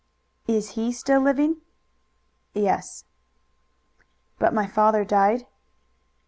"Is he still living?" "Yes." "But my father died?"